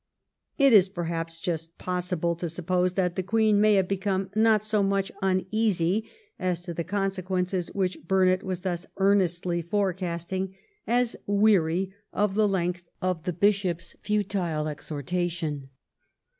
It is perhaps just possible to suppose that the Queen may have become not so much uneasy as to the consequences which Burnet was thus earnestly forecasting, as weary of the length of the Bishop's futile exhortation.